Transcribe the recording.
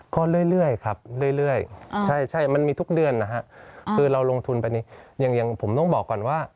ก็เรื่อยครับเรื่อยใช่มันมีทุกเดือนนะฮะคือเราลงทุนไปอย่างผมต้องบอกก่อนว่า